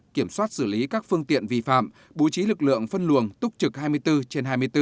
kiểm soát xử lý các phương tiện vi phạm bố trí lực lượng phân luồng túc trực hai mươi bốn trên hai mươi bốn